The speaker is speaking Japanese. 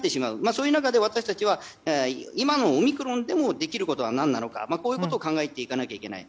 そういう中で、私たちは今のオミクロンでもできることは何なのかこういうことを考えていかなければならない。